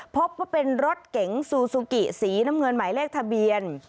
พบว่าเป็นรถเก๋งซูซูกิสีน้ำเงินหมายเลขทะเบียน